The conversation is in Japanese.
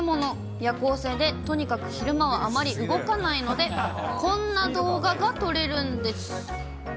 夜行性でとにかく昼間はあまり動かないので、こんな動画が撮れるんです。